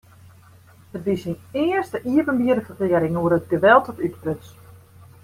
It wie syn earste iepenbiere ferklearring oer it geweld dat útbruts.